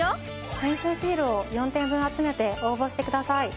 点数シールを４点分集めて応募してください。